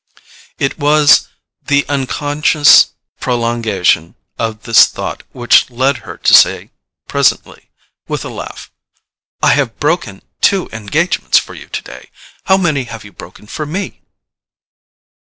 It was the unconscious prolongation of this thought which led her to say presently, with a laugh: "I have broken two engagements for you today. How many have you broken for me?"